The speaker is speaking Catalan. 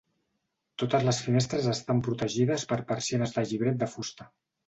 Totes les finestres estan protegides per persianes de llibret de fusta.